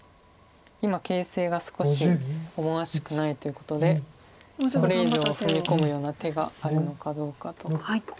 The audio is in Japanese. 今形勢が少し思わしくないということでこれ以上踏み込むような手があるのかどうかと。